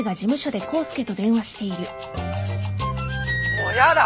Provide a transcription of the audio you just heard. もうやだ！